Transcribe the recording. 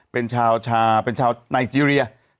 เป็นชาวชาเป็นชาวไนเจรีย